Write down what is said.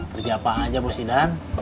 kerja apa aja bos idan